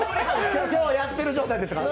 「今日やってる？」状態でしたか。